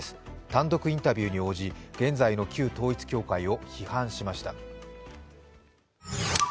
単独インタビューに応じ、現在の旧統一教会を批判しました。